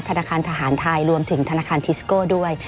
ธนาคารทหารไทยรวมถึงธนาคารทิสโก้ด้วย